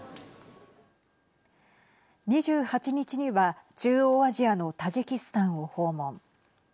２８日には中央アジアのタジキスタンを訪問。